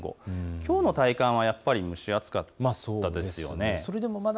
きょうの体感は蒸し暑かったですよね。